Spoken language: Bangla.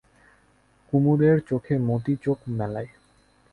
কুমুদের চোখে মতি চোখ মেলায়।